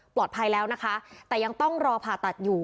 แล้วนะคะแต่ยังต้องรอผ่าตัดอยู่